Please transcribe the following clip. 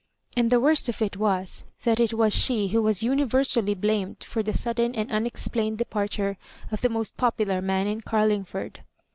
And the worst of it was, that it was she who was universally blamed for the sudden and unexplained departure of the mQst popular man in Carlingford.